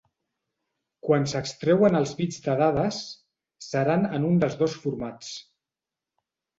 Quan s'extreuen els bits de dades, seran en un dels dos formats.